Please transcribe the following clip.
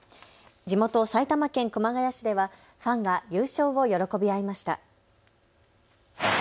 地元、埼玉県熊谷市ではファンが優勝を喜び合いました。